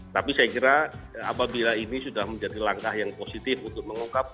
tapi saya kira apabila ini sudah menjadi langkah yang positif untuk mengungkap